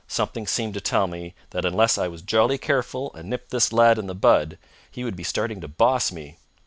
Something seemed to tell me that, unless I was jolly careful and nipped this lad in the bud, he would be starting to boss me.